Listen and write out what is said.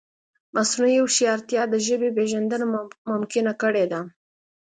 مصنوعي هوښیارتیا د ژبې پېژندنه ممکنه کړې ده.